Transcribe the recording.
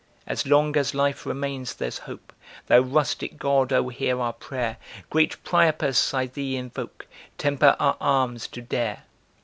As long as life remains, there's hope; Thou rustic God, oh hear our prayer, Great Priapus, I thee invoke, Temper our arms to dare!